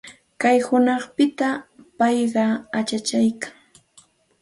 Qayna hunanpitam payqa achachaykan.